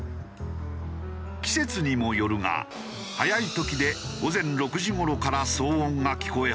季節にもよるが早い時で午前６時頃から騒音が聞こえ始め